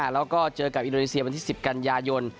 แล้วก็เจอกับอินโดนีเซียวันที่๑๐กันยายน